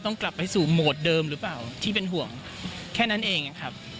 ต้องโทรมาจองกันก่อนนะครับ